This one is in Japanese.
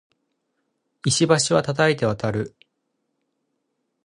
石橋は叩いて渡る